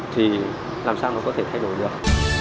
thì làm sao nó có thể thay đổi được